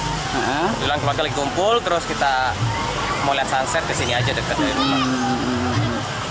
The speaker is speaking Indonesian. kemudian kita lagi kumpul terus kita mau lihat sunset disini aja dekat dekat